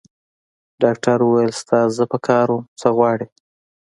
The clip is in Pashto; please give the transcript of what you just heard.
ډاکټر وویل: ستا زه په کار وم؟ څه غواړې؟